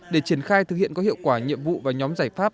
để triển khai thực hiện có hiệu quả nhiệm vụ và nhóm giải pháp